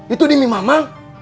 itu demi mama